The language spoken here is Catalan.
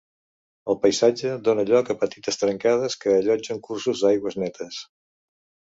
El paisatge dóna lloc a petites trencades que allotgen cursos d'aigües netes.